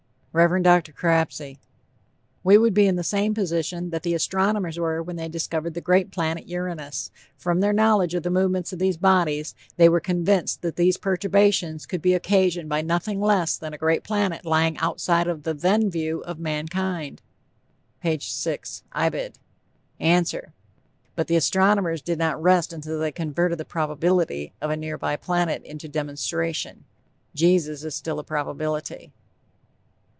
REV. DR. CRAPSEY: "We would be in the same position that the astronomers were when they discovered the great planet Uranus from their knowledge of the movements of these bodies they were convinced that these perturbations could be occasioned by nothing less than a great planet lying outside of the then view of mankind."(P. 6, Ibid.) ANSWER: But the astronomers did not rest until they converted the probability of a near by planet into demonstration. Jesus is still a probability.